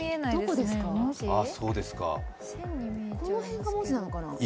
この辺が文字なのかな？